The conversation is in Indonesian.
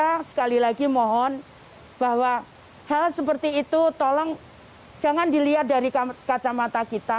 karena itu saya sekali lagi mohon bahwa hal seperti itu tolong jangan dilihat dari kacamata kita